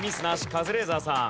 カズレーザーさん。